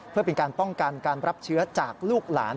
เพื่อเป็นการป้องกันการรับเชื้อจากลูกหลาน